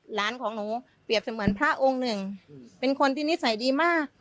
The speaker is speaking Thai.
หลานของหนูเปรียบเสมือนพระองค์หนึ่งเป็นคนที่นิสัยดีมาก